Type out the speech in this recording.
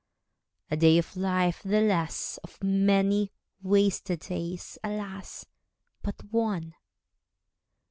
A day of life the less; Of many wasted days, alas, but one!